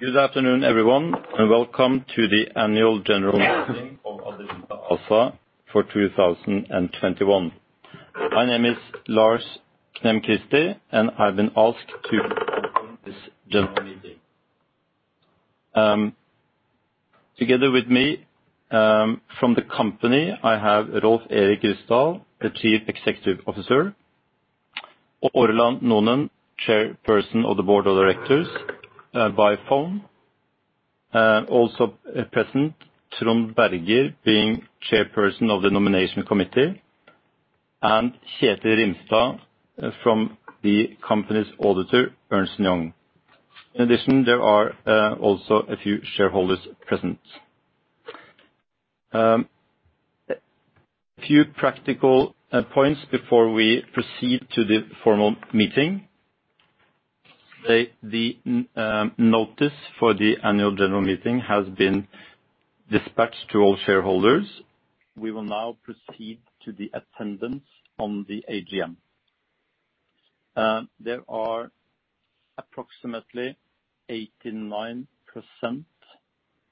Good afternoon, everyone, and welcome to the Annual General Meeting of Adevinta ASA for 2021. My name is Lars Knem Christie, and I've been asked to open this general meeting. Together with me from the company, I have Rolv Erik Ryssdal, the Chief Executive Officer, Orla Noonan, Chairperson of the Board of Directors by phone. Also present, Trond Berger, being Chairperson of the Nomination Committee, and Kjetil Rimstad from the company's auditor, Ernst & Young. In addition, there are also a few shareholders present. A few practical points before we proceed to the formal meeting. The notice for the Annual General Meeting has been dispatched to all shareholders. We will now proceed to the attendance on the AGM. There are approximately 89%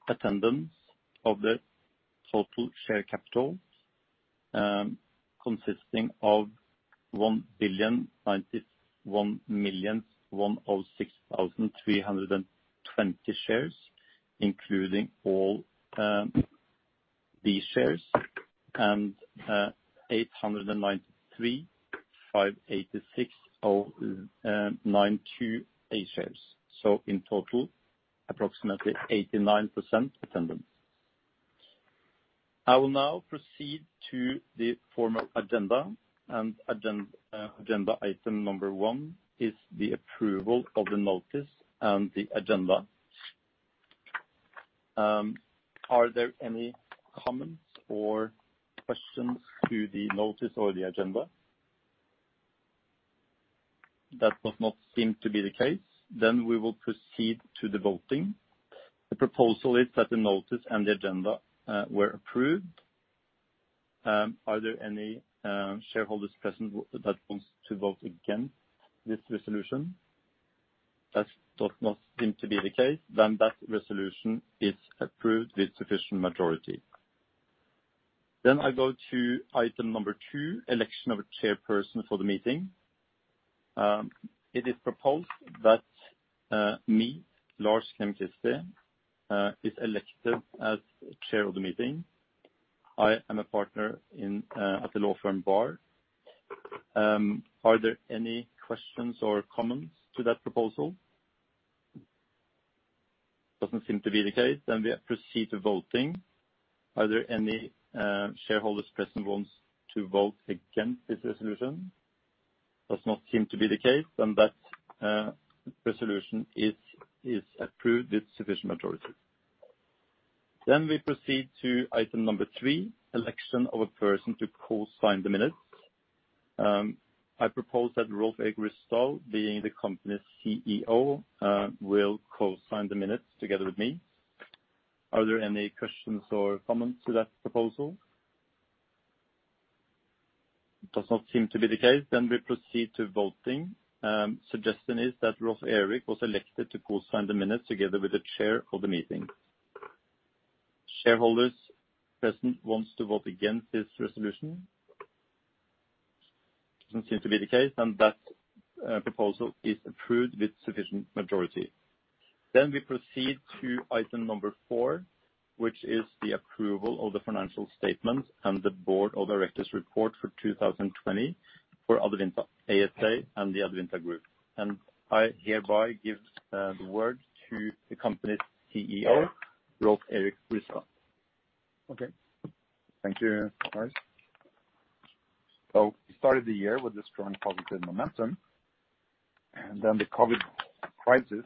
attendance of the total share capital, consisting of 1,091,006,320 shares, including all B shares and 893,586,092 A shares. In total, approximately 89% attendance. I will now proceed to the formal agenda, and agenda item number one is the approval of the notice and the agenda. Are there any comments or questions to the notice or the agenda? That does not seem to be the case. We will proceed to the voting. The proposal is that the notice and the agenda were approved. Are there any shareholders present that wants to vote against this resolution? That does not seem to be the case, then that resolution is approved with sufficient majority. I go to item number two, election of a chairperson for the meeting. It is proposed that me, Lars Knem Christie, is elected as chair of the meeting. I am a Partner at the law firm BAHR. Are there any questions or comments to that proposal? Doesn't seem to be the case, then we proceed to voting. Are there any shareholders present who wants to vote against this resolution? Does not seem to be the case. That resolution is approved with sufficient majority. We proceed to item number three, election of a person to co-sign the minutes. I propose that Rolv Erik Ryssdal, being the company's CEO, will co-sign the minutes together with me. Are there any questions or comments to that proposal? Does not seem to be the case. We proceed to voting. Suggestion is that Rolv Erik was elected to co-sign the minutes together with the chair of the meeting. Shareholders present wants to vote against this resolution? Doesn't seem to be the case. That proposal is approved with sufficient majority. We proceed to item number four, which is the approval of the financial statement and the Board of Directors report for 2020 for Adevinta ASA and the Adevinta Group. I hereby give the word to the company's CEO, Rolv Erik Ryssdal. Okay. Thank you, Lars. We started the year with a strong positive momentum, and then the COVID crisis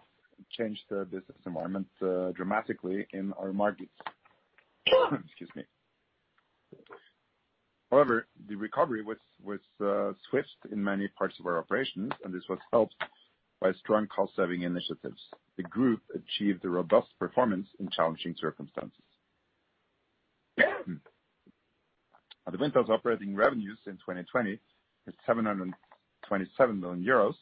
changed the business environment dramatically in our markets. Excuse me. However, the recovery was swift in many parts of our operations, and this was helped by strong cost-saving initiatives. The group achieved a robust performance in challenging circumstances. Adevinta's operating revenues in 2020 was 727 million euros,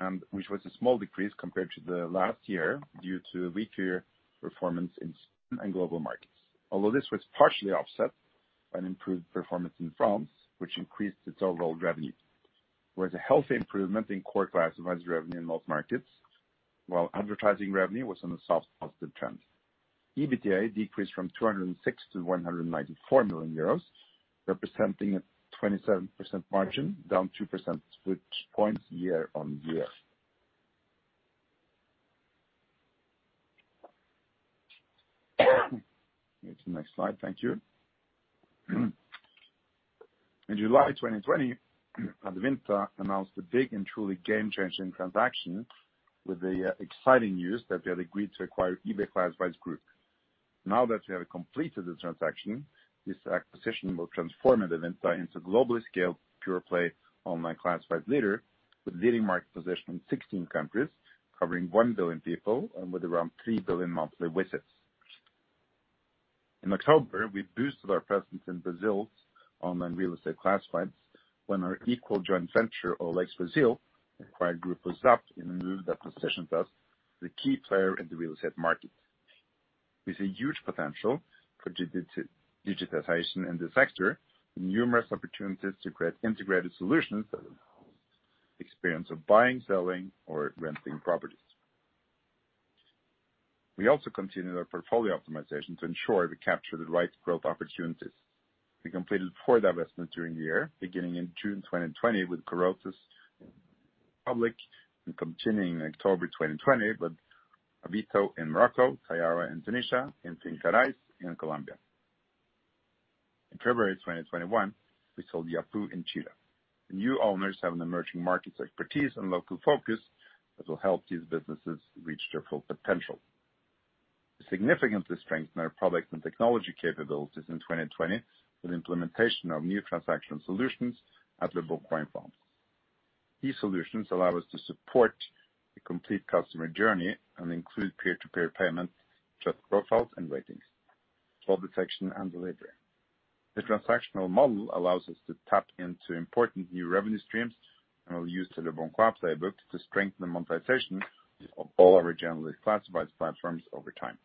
and which was a small decrease compared to the last year due to weaker performance in certain global markets. Although this was partially offset by improved performance in France, which increased its overall revenue. With a healthy improvement in core classified revenue in most markets, while advertising revenue was on a soft positive trend. EBITDA decreased from 206 million-194 million euros, representing a 27% margin, down 2 percentage points year-over-year. Can we go to the next slide, thank you. In July 2020, Adevinta announced a big and truly game-changing transaction with the exciting news that they had agreed to acquire eBay Classifieds Group. Now that they have completed the transaction, this acquisition will transform Adevinta into a globally scaled pure-play online classified leader with a leading market position in 16 countries, covering 1,000,000,000 people and with around 3,000,000,000 monthly visits. In October, we boosted our presence in Brazil's online real estate classifieds when our equal joint venture, OLX Brazil, acquired Grupo ZAP in a move that positions us as a key player in the real estate market. There's a huge potential for digitization in this sector, with numerous opportunities to create integrated solutions that enhance the experience of buying, selling, or renting properties. We also continue our portfolio optimization to ensure we capture the right growth opportunities. We completed four divestments during the year, beginning in June 2020 with Corotos, Dominican Republic, and continuing in October 2020 with Avito in Morocco, Tayara in Tunisia, and Fincaraíz in Colombia. In February 2021, we sold Yapo in Chile. The new owners have an emerging markets expertise and local focus that will help these businesses reach their full potential. We significantly strengthened our product and technology capabilities in 2020 with implementation of new transactional solutions and the leboncoin fund. These solutions allow us to support the complete customer journey and include peer-to-peer payments, trust profiles and ratings, fraud detection, and delivery. The transactional model allows us to tap into important new revenue streams and will use the leboncoin playbook to strengthen the monetization of all our generally classified platforms over time.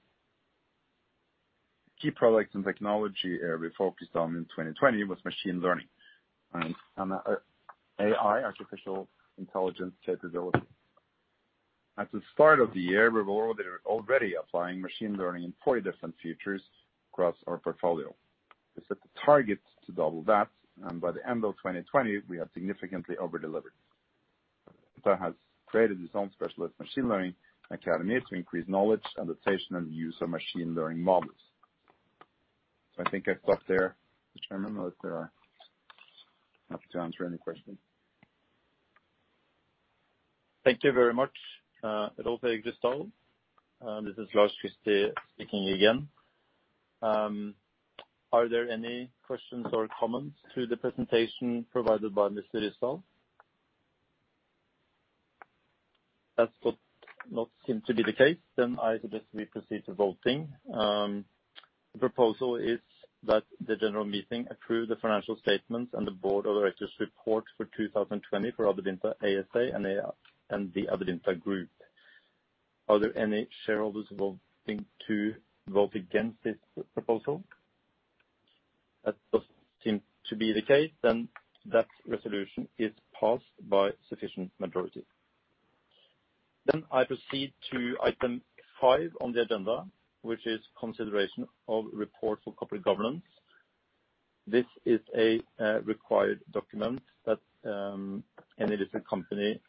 The key product and technology area we focused on in 2020 was machine learning and AI, artificial intelligence capabilities. At the start of the year, we were already applying machine learning in four different features across our portfolio. We set the target to double that, and by the end of 2020, we had significantly over-delivered. Adevinta has created its own specialist machine learning academy to increase knowledge, adaptation, and use of machine learning models. I think I stop there, Chairman, unless there are I have to answer any questions. Thank you very much. This is Lars Christie speaking again. Are there any questions or comments to the presentation provided by Mr. Ryssdal? That does not seem to be the case, then I suggest we proceed to voting. The proposal is that the general meeting approve the financial statements and the board of directors' report for 2020 for Adevinta ASA and the Adevinta Group. Are there any shareholders wanting to vote against this proposal? That does not seem to be the case, then that resolution is passed by sufficient majority. I proceed to item five on the agenda, which is consideration of reports of public governance. This is a required document that any listed company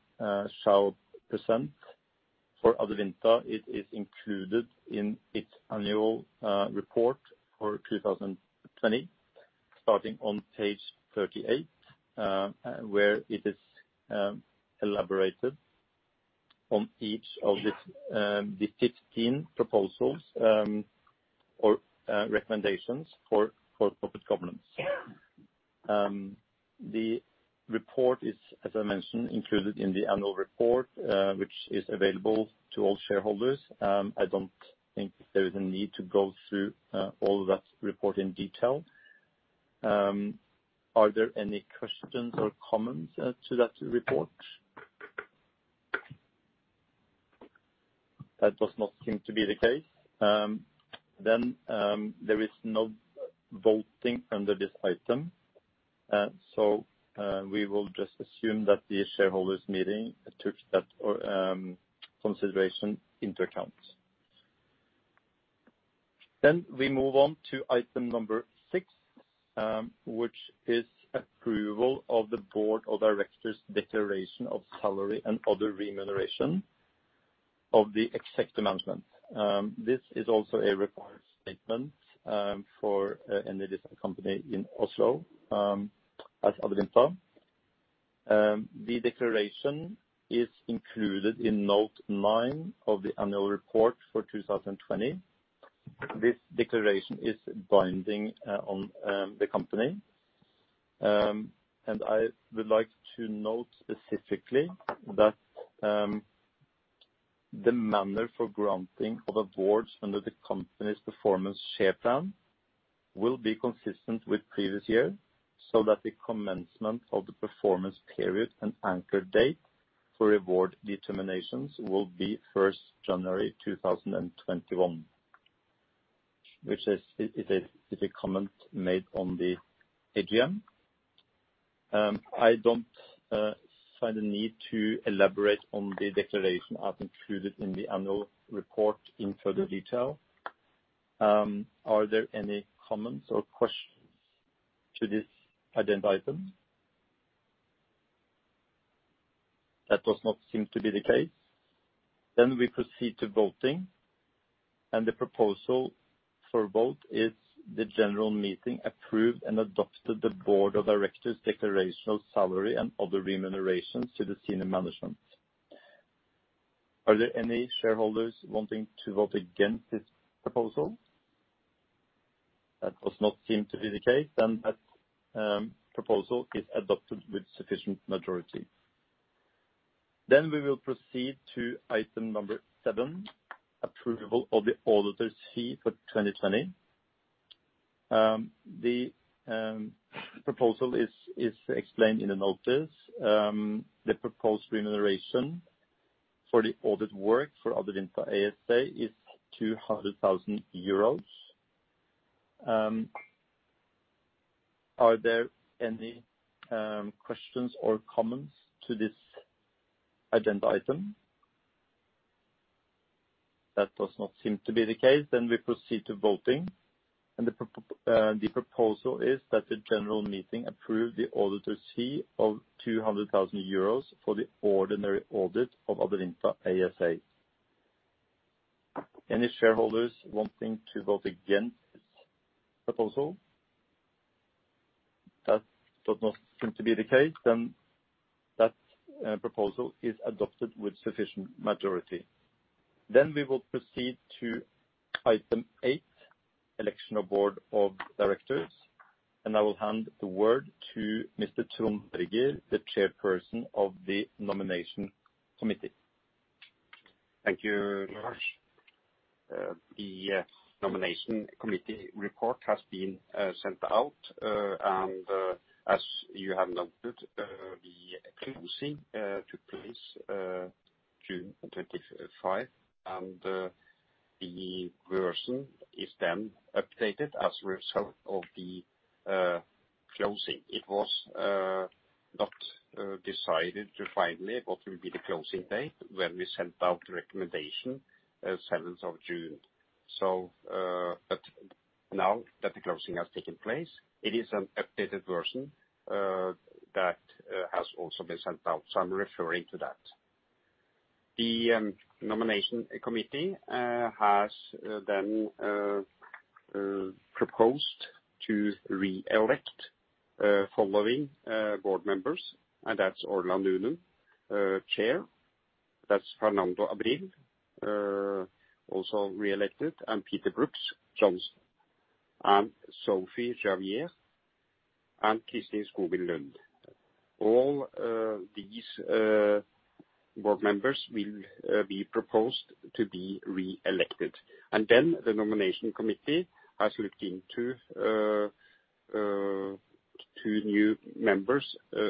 shall present. For Adevinta, it is included in its annual report for 2020, starting on page 38, where it is elaborated on each of the 15 proposals or recommendations for public governance. The report is, as I mentioned, included in the annual report, which is available to all shareholders. I don't think there is a need to go through all that report in detail. Are there any questions or comments to that report? That does not seem to be the case. There is no voting under this item. We will just assume that the shareholders' meeting took that consideration into account. We move on to item six, which is approval of the board of directors' declaration of salary and other remuneration of the executive management. This is also a required statement for any listed company in Oslo, as Adevinta. The declaration is included in note nine of the annual report for 2020. This declaration is binding on the company. I would like to note specifically that the manner for granting of awards under the company's performance share plan will be consistent with previous year, so that the commencement of the performance period and anchor date for award determinations will be January 1st, 2021, which is a comment made on the AGM. I don't find a need to elaborate on the declaration as included in the annual report in further detail. Are there any comments or questions to this agenda item? That does not seem to be the case. We proceed to voting, and the proposal for vote is the general meeting approve and adopt the board of directors' declaration of salary and other remunerations to the senior management. Are there any shareholders wanting to vote against this proposal? That does not seem to be the case. That proposal is adopted with sufficient majority. We will proceed to item number seven, approval of the auditor's fee for 2020. The proposal is explained in the notice. The proposed remuneration for the audit work for Adevinta ASA is 200,000 euros. Are there any questions or comments to this agenda item? That does not seem to be the case. We proceed to voting. The proposal is that the general meeting approve the auditor's fee of 200,000 euros for the ordinary audit of Adevinta ASA. Any shareholders wanting to vote against this proposal? That does not seem to be the case. That proposal is adopted with sufficient majority. We will proceed to item eight, election of board of directors, and I will hand the word to Mr. Trond Berger, the Chairperson of the Nomination Committee. Thank you very much. The nomination committee report has been sent out, and as you have noted, the closing took place June 25, and the version is then updated as a result of the closing. It was not decided to finally what will be the closing date when we sent out the recommendation June 7th. Now that the closing has taken place, it is an updated version that has also been sent out, so I am referring to that. The nomination committee has then proposed to reelect following board members, and that is Orla Noonan, Chair, that is Fernando Abril, also reelected, and Peter Brooks-Johnson, and Sophie Javary, and Kristin Skogen Lund. All these board members will be proposed to be reelected. The nomination committee has looked into two new members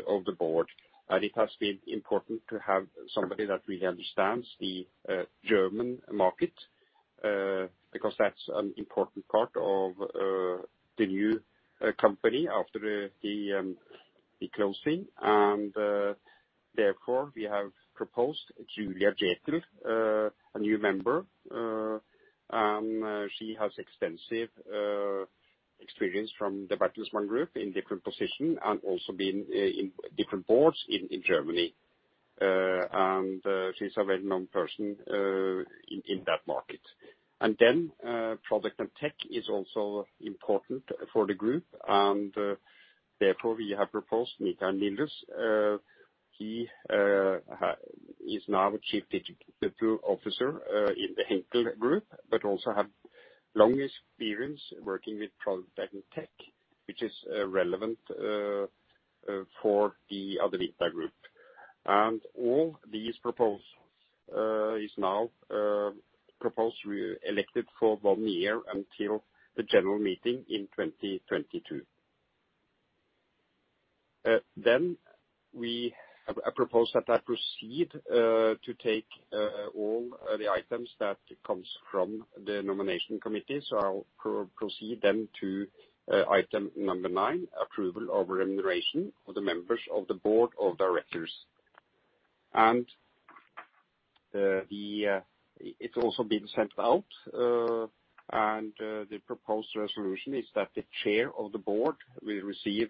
of the board. it has been important to have somebody that really understands the German market, because that's an important part of the new company after the closing. Therefore, we have proposed Julia Jäkel, a new member. She has extensive experience from the Bertelsmann Group in different positions and also been in different boards in Germany. She's a very known person in that market. product and tech is also important for the group, and therefore we have proposed Michael Nilles. He is now chief digital officer in the Henkel Group but also have long experience working with product and tech, which is relevant for the Adevinta Group. All these proposals is now proposed, reelected for one year until the general meeting in 2022. We propose that I proceed to take all the items that comes from the nomination committee. I'll proceed to item nine, approval of remuneration of the members of the board of directors. It also been sent out, and the proposed resolution is that the chair of the board will receive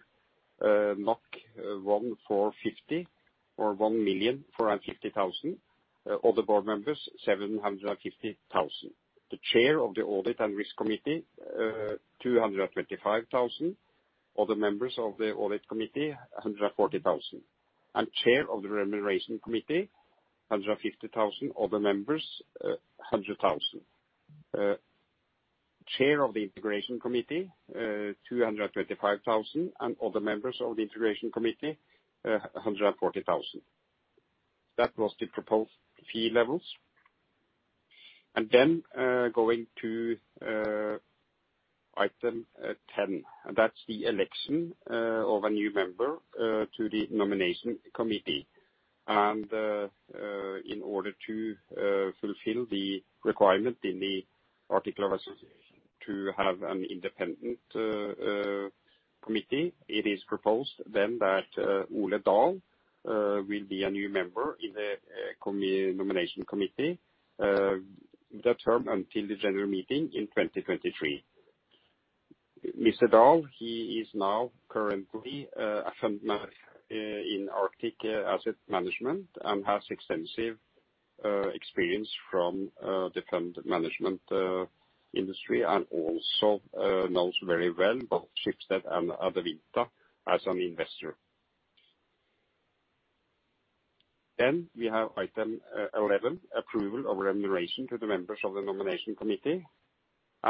1,450 or 1,450,000. Other board members, 750,000. The chair of the audit and risk committee 225,000. Other members of the audit committee, 140,000. Chair of the remuneration committee 150,000. Other members 100,000. Chair of the integration committee 225,000, and other members of the integration committee 140,000. That was the proposed fee levels. Going to item 10, and that's the election of a new member to the nomination committee. In order to fulfill the requirement in the Articles of Association to have an independent committee, it is proposed then that Ole Dahl will be a new member in the nomination committee. The term until the general meeting in 2023. Ole Dahl, he is now currently a fund manager in Arctic Asset Management and has extensive experience from the fund management industry and also knows very well both Schibsted and Adevinta as an investor. We have item 11, approval of remuneration to the members of the nomination committee.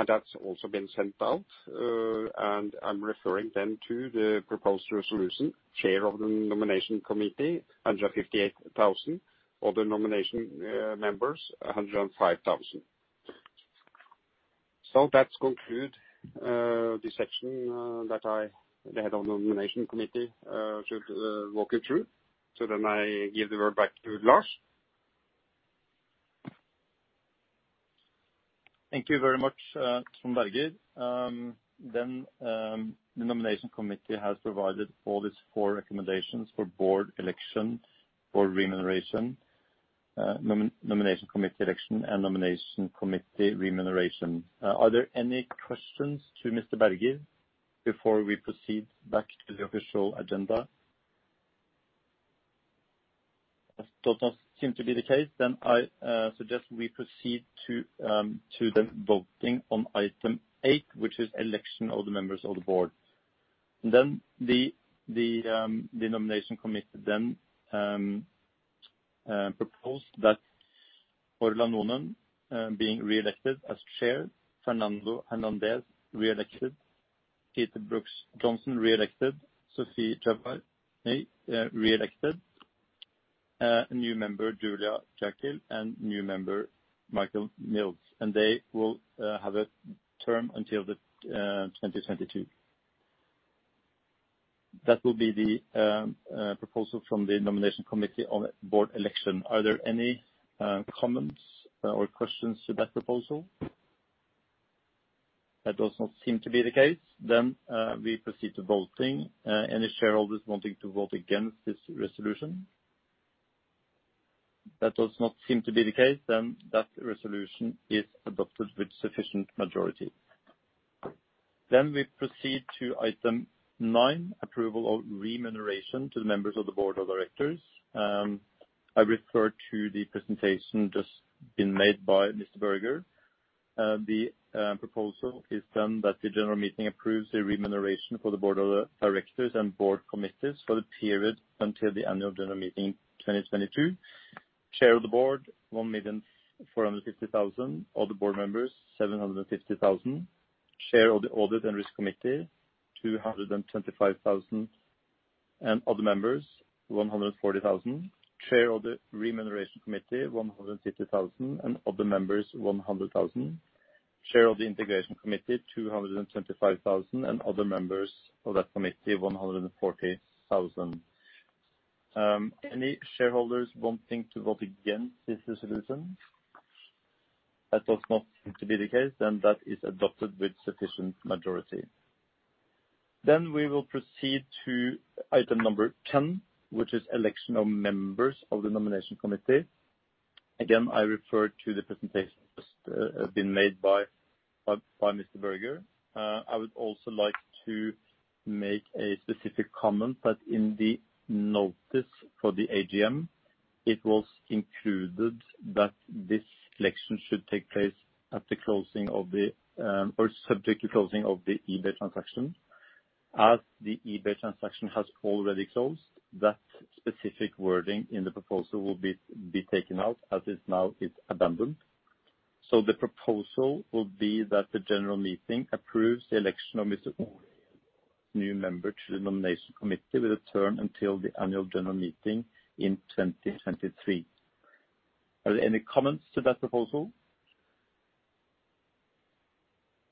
That's also been sent out, and I'm referring then to the proposed resolution. Chair of the nomination committee, 158,000. Other nomination members, 105,000. That concludes the section that I, the head of the nomination committee, should walk you through. I give the word back to Lars. Thank you very much, Trond Berger. The nomination committee has provided all these four recommendations for board election, for remuneration, nomination committee election, and nomination committee remuneration. Are there any questions to Mr. Berger before we proceed back to the official agenda? That does not seem to be the case. I suggest we proceed to the voting on item eight, which is election of the members of the board. The nomination committee then proposed that Orla Noonan being reelected as chair, Fernando Hernández reelected, Peter Brooks-Johnson reelected, Sophie Javary reelected, a new member, Julia Jäkel, and new member Michael Nilles, and they will have a term until 2022. That will be the proposal from the nomination committee on board election. Are there any comments or questions to that proposal? That does not seem to be the case. We proceed to voting. Any shareholders wanting to vote against this resolution? That does not seem to be the case, that resolution is adopted with sufficient majority. We proceed to item nine, approval of remuneration to the members of the board of directors. I refer to the presentation just been made by Mr. Berger. The proposal is that the general meeting approves the remuneration for the board of directors and board committees for the period until the Annual General Meeting 2022. Chair of the board, 1,450,000. Other board members, 750,000. Chair of the audit and risk committee, 225,000, and other members, 140,000. Chair of the remuneration committee, 150,000, and other members, 100,000. Chair of the integration committee, 225,000, and other members of that committee, 140,000. Any shareholders wanting to vote against this resolution? That does not seem to be the case, that is adopted with sufficient majority. We will proceed to item number 10, which is election of members of the nomination committee. Again, I refer to the presentation just been made by Mr. Berger. I would also like to make a specific comment that in the notice for the AGM, it was included that this election should take place at the closing of the or subject to closing of the eBay transaction. As the eBay transaction has already closed, that specific wording in the proposal will be taken out as it now is abandoned. The proposal will be that the general meeting approves the election of Mr. Dahl, new member to the nomination committee, with a term until the Annual General Meeting in 2023. Are there any comments to that proposal?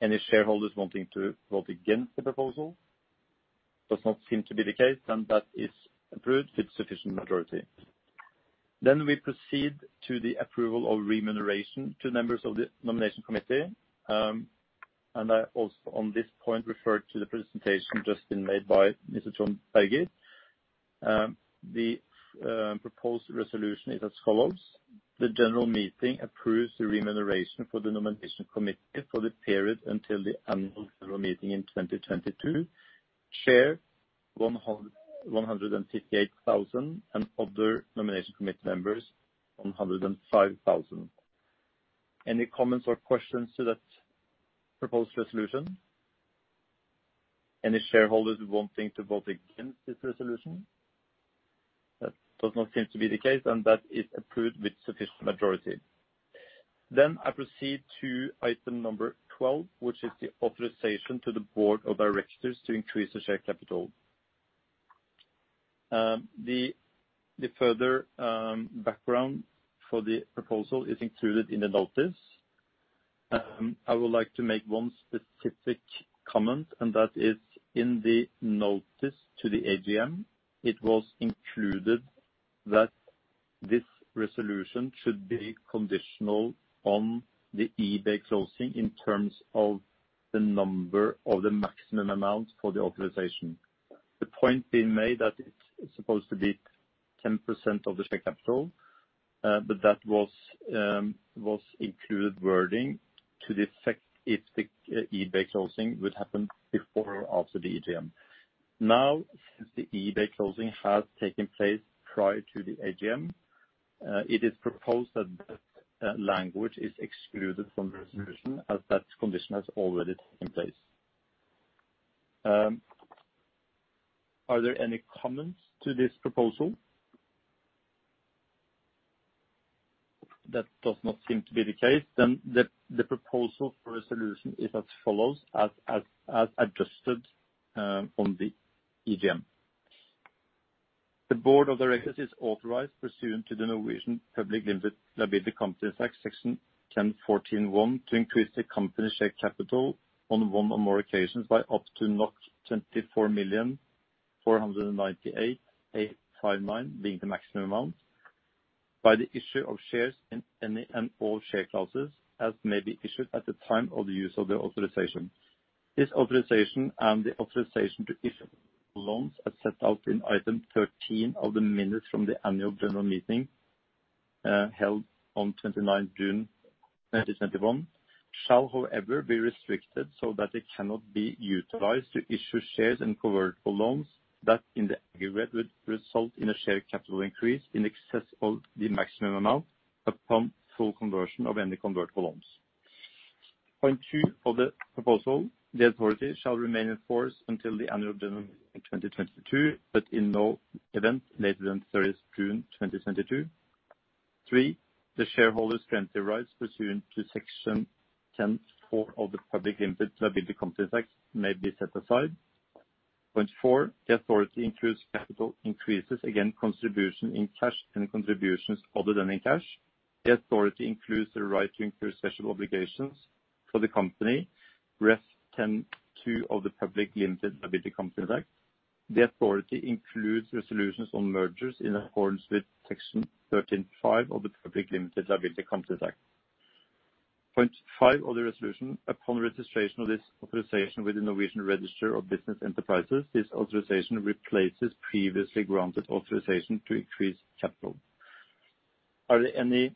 Any shareholders wanting to vote against the proposal? Does not seem to be the case, then that is approved with sufficient majority. We proceed to the approval of remuneration to members of the nomination committee. I also, on this point, refer to the presentation just been made by Mr. Trond Berger. The proposed resolution is as follows: The general meeting approves the remuneration for the nomination committee for the period until the Annual General Meeting in 2022. Chair, 158,000, and other nomination committee members, 105,000. Any comments or questions to that proposed resolution? Any shareholders wanting to vote against this resolution? That does not seem to be the case, then that is approved with sufficient majority. I proceed to item number 12, which is the authorization to the board of directors to increase the share capital. The further background for the proposal is included in the notice. I would like to make one specific comment, and that is in the notice to the AGM, it was included that this resolution should be conditional on the eBay closing in terms of the number or the maximum amount for the authorization. The point being made that it's supposed to be 10% of the share capital, but that was included wording to reflect if the eBay closing would happen before or after the AGM. Now, since the eBay closing has taken place prior to the AGM, it is proposed that that language is excluded from the resolution as that condition has already taken place. Are there any comments to this proposal? That does not seem to be the case. the proposal for resolution is as follows, as adjusted on the AGM. The board of directors is authorized pursuant to the Norwegian Public Limited Liability Company Act, Section 10-14 (1), to increase the company's share capital on one or more occasions by up to 24,498,859, being the maximum amount, by the issue of shares in any and all share classes as may be issued at the time of the use of the authorization. This authorization and the authorization to issue loans as set out in item 13 of the minutes from the Annual General Meeting, held on June 29th, 2021, shall, however, be restricted so that it cannot be utilized to issue shares and convertible loans that, in the aggregate, would result in a share capital increase in excess of the maximum amount upon full conversion of any convertible loans. Point two of the proposal, the authority shall remain in force until the Annual General Meeting in 2022, but in no event later than June 30th, 2022. Three, the shareholders' pre-emptive rights pursuant to Section 10-4 of the Public Limited Liability Companies Act may be set aside. Point four, the authority includes capital increases against contributions in cash and contributions other than in cash. The authority includes the right to incur special obligations for the company, ref 10-2 of the Public Limited Liability Companies Act. The authority includes resolutions on mergers in accordance with Section 13-5 of the Public Limited Liability Companies Act. 5 of the resolution, upon registration of this authorization with the Norwegian Register of Business Enterprises, this authorization replaces previously granted authorization to increase capital. Are there any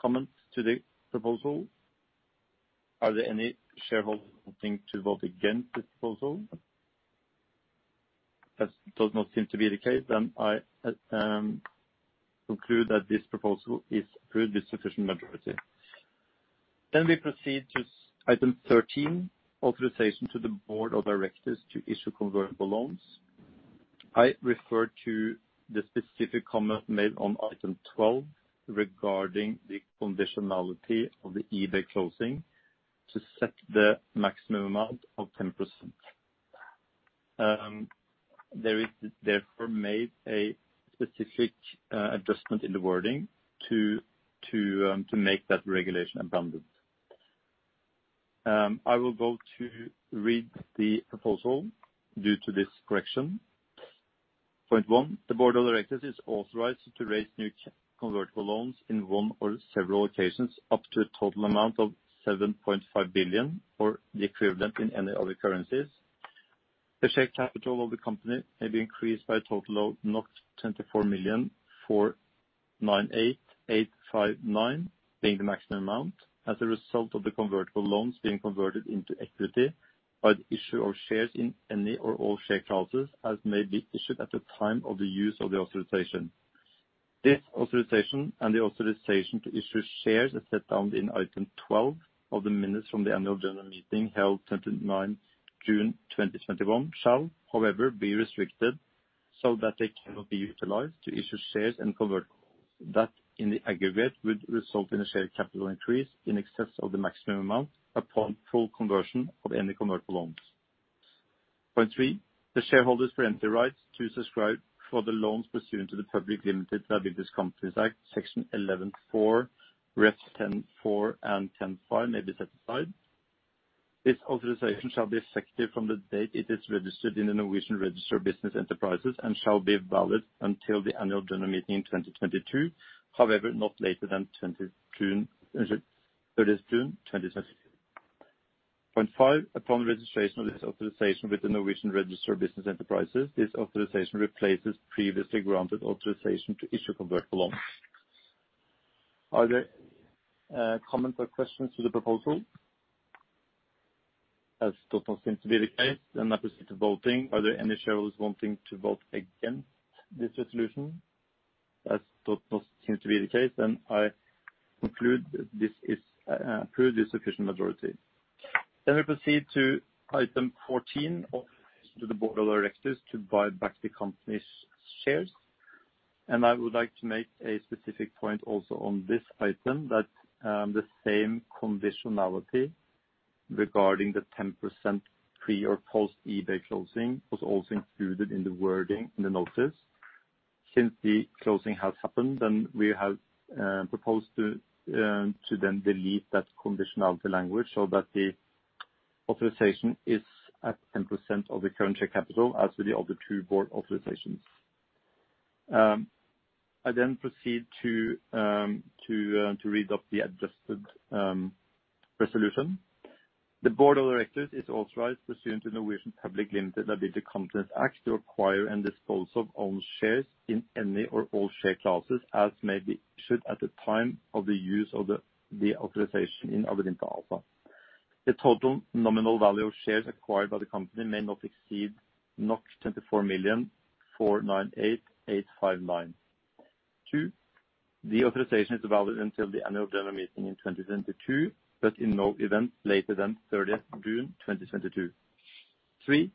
comments to the proposal? Are there any shareholders wanting to vote against this proposal? That does not seem to be the case, then I conclude that this proposal is approved with sufficient majority. We proceed to item 13, authorization to the board of directors to issue convertible loans. I refer to the specific comments made on item 12 regarding the conditionality of the eBay closing to set the maximum amount of 10%. There is therefore made a specific adjustment in the wording to make that regulation redundant. I will go to read the proposal due to this correction. Point one, the board of directors is authorized to raise new convertible loans in one or several occasions up to a total amount of 7.5 billion or the equivalent in any other currencies. The share capital of the company may be increased by a total of 24,498,859, being the maximum amount, as a result of the convertible loans being converted into equity by the issue of shares in any or all share classes as may be issued at the time of the use of the authorization. This authorization and the authorization to issue shares as set out in item 12 of the minutes from the Annual General Meeting held June 29th, 2021 shall, however, be restricted so that they cannot be utilized to issue shares and convertible loans that, in the aggregate, would result in a share capital increase in excess of the maximum amount upon full conversion of any convertible loans. Point three, the shareholders' pre-emptive rights to subscribe for the loans pursuant to the Public Limited Liability Companies Act, Section 11-4, ref 10-4 and 10-5 may be set aside. This authorization shall be effective from the date it is registered in the Norwegian Register of Business Enterprises and shall be valid until the Annual General Meeting in 2022, however, not later than June 30th, 2022. Point five, upon registration of this authorization with the Norwegian Register of Business Enterprises, this authorization replaces previously granted authorization to issue convertible loans. Are there comments or questions to the proposal? That does not seem to be the case. I proceed to voting. Are there any shareholders wanting to vote against this resolution? That does not seem to be the case, then I conclude that this is approved with sufficient majority. We proceed to item 14, authorization to the board of directors to buy back the company's shares. I would like to make a specific point also on this item that the same conditionality regarding the 10% pre or post eBay closing was also included in the wording in the notice. Since the closing has happened, then we have proposed to then delete that conditionality language so that the authorization is at 10% of the current share capital as with the other two board authorizations. I then proceed to read out the adjusted resolution. The board of directors is authorized pursuant to the Norwegian Public Limited Liability Companies Act to acquire and dispose of own shares in any or all share classes as may be issued at the time of the use of the authorization in Adevinta ASA. The total nominal value of shares acquired by the company may not exceed 24,498,859. Two, the authorization is valid until the Annual General Meeting in 2022, but in no event later than June 30th, 2022. Three,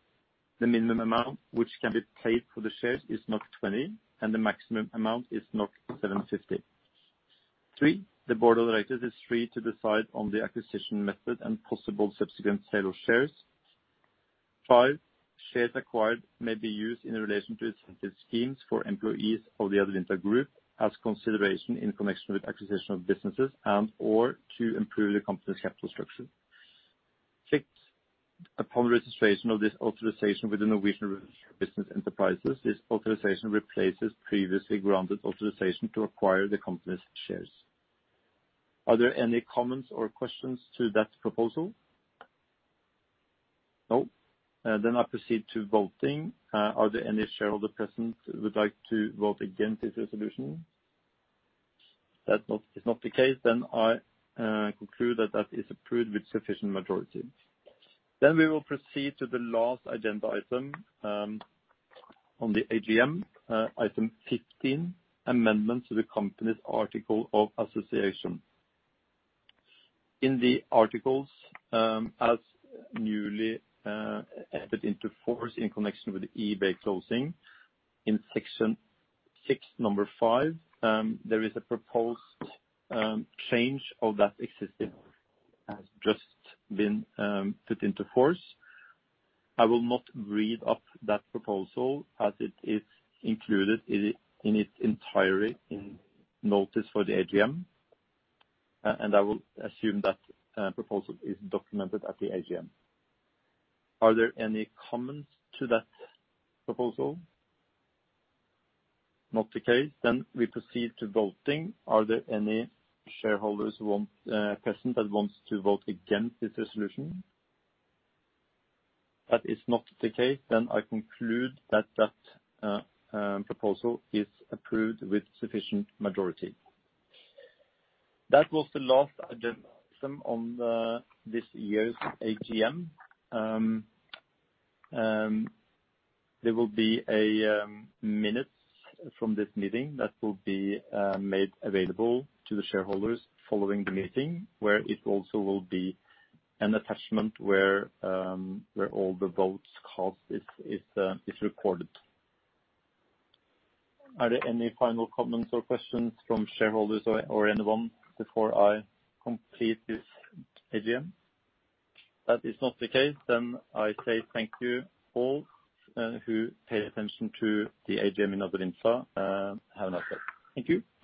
the minimum amount which can be paid for the shares is 20, and the maximum amount is 750. Three, the board of directors is free to decide on the acquisition method and possible subsequent sale of shares. Five, shares acquired may be used in relation to incentive schemes for employees of the Adevinta group as consideration in connection with acquisition of businesses and/or to improve the company's capital structure. Six, upon registration of this authorization with the Norwegian Business Enterprises, this authorization replaces previously granted authorization to acquire the company's shares. Are there any comments or questions to that proposal? No. I proceed to voting. Are there any shareholder present who would like to vote against this resolution? That is not the case, then I conclude that that is approved with sufficient majority. We will proceed to the last agenda item on the AGM. Item 15, amendment to the company's article of association. In the articles, as newly entered into force in connection with eBay closing in section six, number five, there is a proposed change of that existing has just been put into force. I will not read up that proposal as it is included in its entirety in notice for the AGM, and I will assume that proposal is documented at the AGM. Are there any comments to that proposal? Not the case, then we proceed to voting. Are there any shareholders present that wants to vote against this resolution? That is not the case, then I conclude that that proposal is approved with sufficient majority. That was the last agenda item on this year's AGM. There will be a minute from this meeting that will be made available to the shareholders following the meeting, where it also will be an attachment where all the votes cast is recorded. Are there any final comments or questions from shareholders or anyone before I complete this AGM? That is not the case, then I say thank you all who pay attention to the AGM in Adevinta. Have a nice day. Thank you.